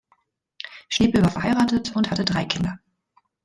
Schnepel war verheiratet und hatte drei Kinder.